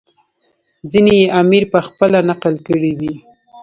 ځینې یې امیر پخپله نقل کړي دي.